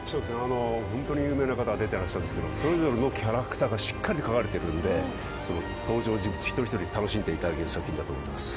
本当に有名な方が出ているんですけどそれぞれのキャラクターがしっかり書かれているので、登場人物１人１人楽しんでいただけると思います。